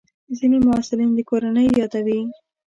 ځینې محصلین د کورنۍ یادوي.